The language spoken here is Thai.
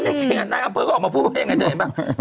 ก็ไม่เครียดนะเอาเฟิร์กออกมาพูดว่าอย่างไรเจ๋ยเหมือนกัน